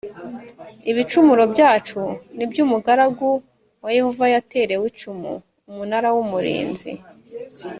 ibicumuro byacu ni byo umugaragu wa yehova yaterewe icumu umunara w umurinzi